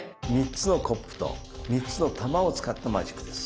３つのコップと３つの玉を使ったマジックです。